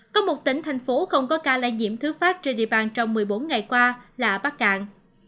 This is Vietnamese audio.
có một tỉnh thành phố không có ca lây nhiễm thứ phát trên địa bàn trong một mươi bốn ngày qua là bắc cạn